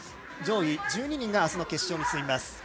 上位１２人があすの決勝に進みます。